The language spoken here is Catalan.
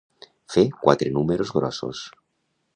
Fer quatre números grossos.